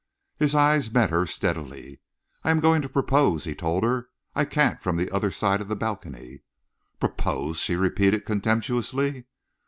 His eyes met hers steadily. "I am going to propose," he told her. "I can't from the other side of the balcony." "Propose!" she repeated contemptuously.